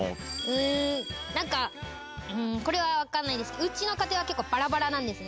なんか、これは分かんないですけど、うちの家庭は結構ばらばらなんですね。